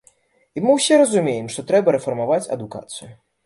І мы ўсе разумеем, што трэба рэфармаваць адукацыю.